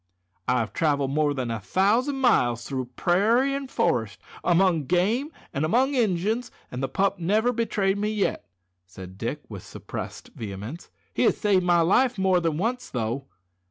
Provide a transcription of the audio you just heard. "I have travelled more than a thousand miles through prairie and forest, among game an' among Injuns, an' the pup never betrayed me yet," said Dick, with suppressed vehemence. "He has saved my life more than once though."